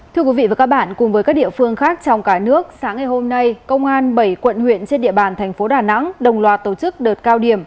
thưa quý vị và các bạn cùng với các địa phương khác trong cả nước sáng ngày hôm nay công an bảy quận huyện trên địa bàn thành phố đà nẵng đồng loạt tổ chức đợt cao điểm